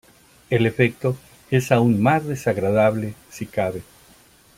El efecto es aún más desagradable si cabe.